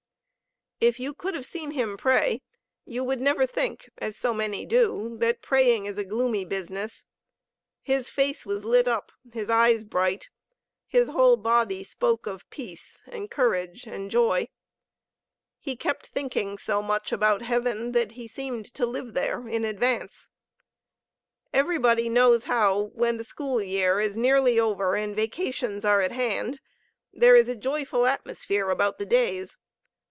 If you could have seen him pray, you would never think, as so many do, that praying is a gloomy business. His face was lit up, his eyes bright, his whole body spoke of peace and courage and joy. He kept thinking so much about heaven that he seemed to live there in advance. Everybody knows how, when the school year is nearly over and vacations are at hand, there is a joyful atmosphere about the days.